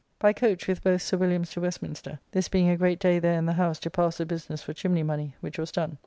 By coach with both Sir Williams to Westminster; this being a great day there in the House to pass the business for chimney money, which was done.